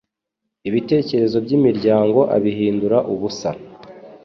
ibitekerezo by’imiryango abihindura ubusa